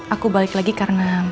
aku balik lagi karena